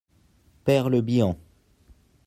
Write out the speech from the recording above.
Pêr Le Bihan.